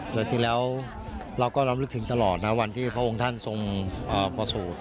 โดยที่แล้วเราก็รำลึกถึงตลอดนะวันที่พระองค์ท่านทรงประสูจน์